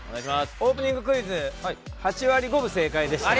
オープニングクイズ８割５分正解でしたね。